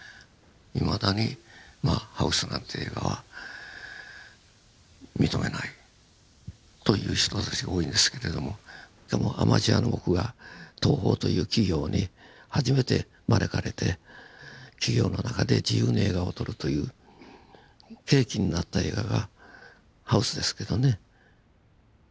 いまだに「ＨＯＵＳＥハウス」なんて映画は認めないという人たちが多いんですけれどもでもアマチュアの僕が東宝という企業に初めて招かれて企業の中で自由に映画を撮るという契機になった映画が「ＨＯＵＳＥハウス」ですけどね。